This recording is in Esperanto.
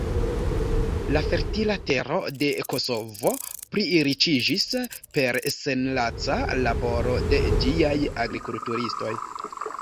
La fertila tero de Kosovo pliriĉiĝis per senlaca laboro de ĝiaj agrikulturistoj.